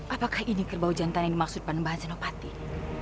apakah ini terbau jantan yang dimaksud pn zainal fatih